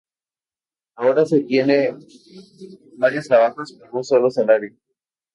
Ahora se tiene varios trabajadores por un solo salario.